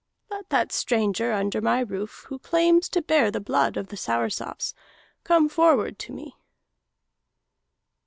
Let that stranger under my roof who claims to bear the blood of the Soursops, come forward to me!"